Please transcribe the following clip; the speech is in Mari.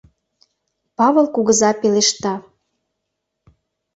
— Павыл кугыза пелешта.